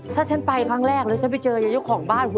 ถ้าฉันไปครั้งแรกหรือถ้าไปเจอยายุของบ้าน